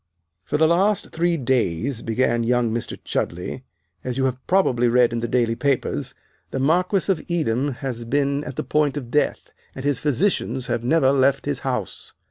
"For the last three days," began young Mr. Chudleigh, "as you have probably read in the daily papers, the Marquis of Edam has been at the point of death, and his physicians have never left his house.